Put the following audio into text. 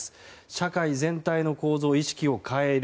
社会全体の構造・意識を変える。